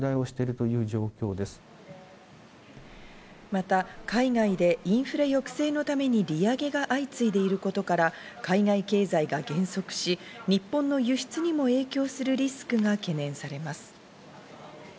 また海外でインフレ抑制のために利上げが相次いでいることから、海外経済が減速し、日本の輸出にも影響するリスクが懸念されます。